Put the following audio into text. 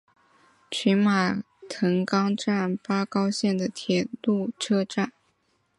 群马藤冈站八高线的铁路车站。